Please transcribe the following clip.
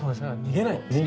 逃げない。